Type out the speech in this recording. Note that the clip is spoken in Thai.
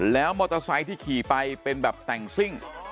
แล้วมอเตอร์ไซค์ที่ขี่ไปเป็นแบบแต่งซิ่ง